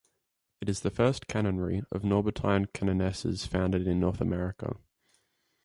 It is the first canonry of Norbertine canonesses founded in North America.